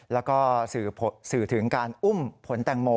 แล้วก็สื่อถึงการอุ้มผลแตงโม